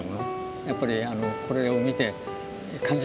やっぱりこれを見て感じてほしい。